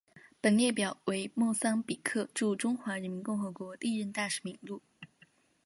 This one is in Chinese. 本列表为莫桑比克驻中华人民共和国历任大使名录。